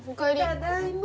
ただいま。